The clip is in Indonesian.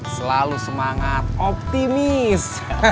selalu semangat optimis